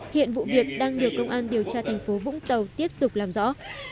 hiện vụ việc đang được công an điều tra tp vũng tàu tiếp tục làm rõ